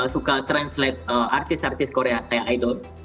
suka translate artis artis korea kayak idol